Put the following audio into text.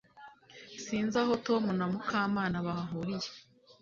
Sinzi aho Tom na Mukamana bahuriye